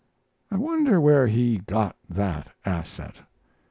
I wonder where he got that asset.